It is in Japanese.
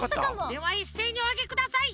ではいっせいにおあげください！